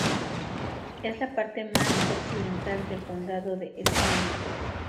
Es la parte más occidental del condado de Skagit.